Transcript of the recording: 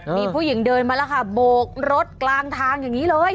มีผู้หญิงเดินมาแล้วค่ะโบกรถกลางทางอย่างนี้เลย